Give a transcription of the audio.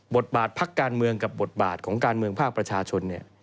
บทบาทพักการเมืองกับบทบาทของการเมืองภาคประชาชน